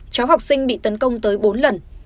cháu học sinh bị tấn công tới bốn lần